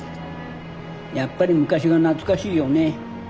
やっぱり昔が懐かしいよね。